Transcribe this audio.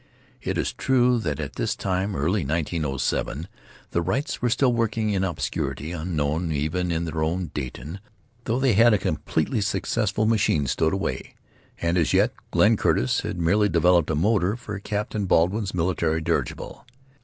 It is true that at this time, early 1907, the Wrights were still working in obscurity, unknown even in their own Dayton, though they had a completely successful machine stowed away; and as yet Glenn Curtiss had merely developed a motor for Captain Baldwin's military dirigible.